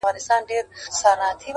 • زاړه کيسې بيا راژوندي کيږي تل..